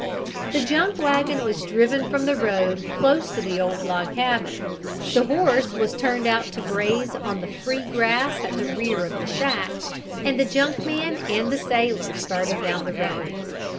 The junk wagon was driven from the road close to the old log cabin, the horse was turned out to graze on the free grass at the rear of the shack, and the junkman and the sailor started down the road.